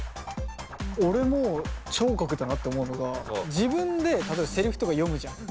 俺も聴覚だなって思うのが自分で例えばセリフとか読むじゃん。